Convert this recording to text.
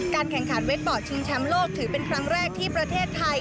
แข่งขันเว็บบอร์ดชิงแชมป์โลกถือเป็นครั้งแรกที่ประเทศไทย